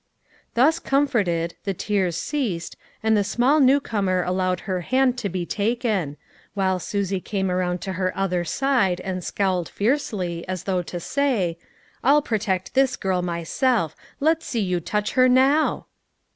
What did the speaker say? Thus "comforted, the tears ceased, and the small new comer allowed her hand to be taken ; while Susie came around to her other side, and 310 LITTLE FISHERS ! AND THEIE NETS. scowled fiercely, as though to say :" I'll protect this girl myself; let's see you touch her now!"